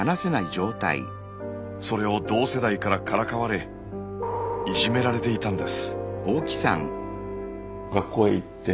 それを同世代からからかわれいじめられていたんです。